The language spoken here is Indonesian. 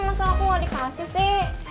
masa aku gak dikasih sih